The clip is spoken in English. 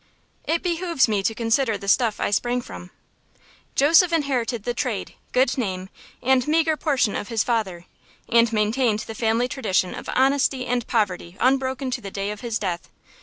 It behooves me to consider the stuff I sprang from. Joseph inherited the trade, good name, and meagre portion of his father, and maintained the family tradition of honesty and poverty unbroken to the day of his death.